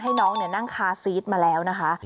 ให้น้องเนี่ยนั่งคาร์ซีสมาแล้วนะคะ